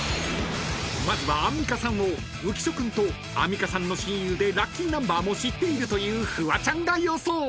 ［まずはアンミカさんを浮所君とアンミカさんの親友でラッキーナンバーも知っているというフワちゃんが予想！］